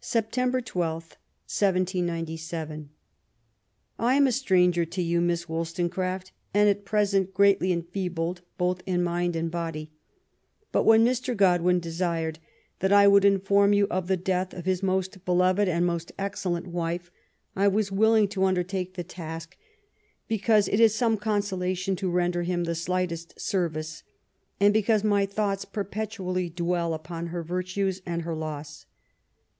Sept. 12, 1797. I am a stranger to yon, Miss Wollstonecraft, and at present greatly •enfeebled both in mind and body ; bnt when Mr. Godwin desired that I wonld inform yon of the death of his most beloved and most excellent wife, I was willing to xmdertake the task, because it is some consola tion to render him the slightest service, and because my thoughts perpetually dwell upon her virtues and her loss.